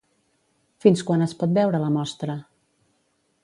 Fins quan es pot veure la mostra?